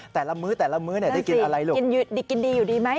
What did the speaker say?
แต่ละมื้อแต่ละมื้อเนี่ยได้กินอะไรลูกกินดีกินดีอยู่ดีไหม